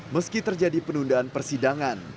meski terjadi penundaan persidangan